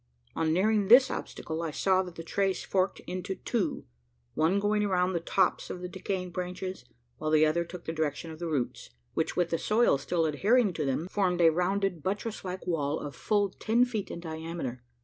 On nearing this obstacle, I saw that the trace forked into two one going around the tops of the decaying branches, while the other took the direction of the roots; which, with the soil still adhering to them, formed a rounded buttress like wall of full ten feet in diameter.